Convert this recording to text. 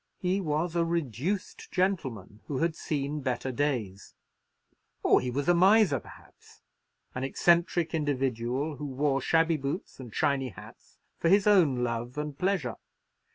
He was a reduced gentleman, who had seen better days; or he was a miser, perhaps—an eccentric individual, who wore shabby boots and shiny hats for his own love and pleasure.